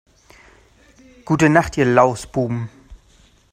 Gute Nacht ihr Lausbuben!